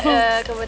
baik nanti kabarnya